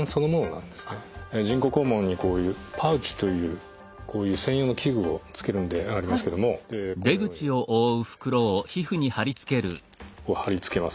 人工肛門にこういうパウチというこういう専用の器具を付けるんでありますけどもこのようにこう貼り付けます。